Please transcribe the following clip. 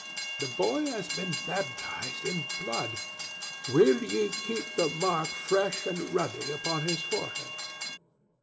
The boy has been baptized in blood; will ye keep the mark fresh and ruddy upon his forehead?"